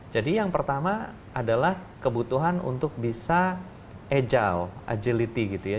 yang pertama adalah kebutuhan untuk bisa agile agility gitu ya